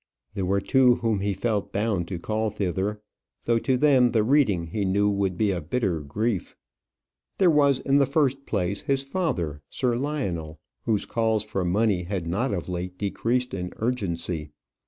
There were two whom he felt bound to call thither, though to them the reading he knew would be a bitter grief. There was, in the first place, his father, Sir Lionel, whose calls for money had not of late decreased in urgency.